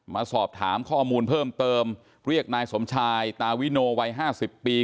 มาสอบถามข้อมูลเพิ่มเติมเรียกนายสมชายตาวิโนวัย๕๐ปี